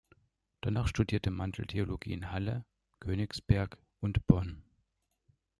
Danach studierte Mandel Theologie in Halle, Königsberg und Bonn.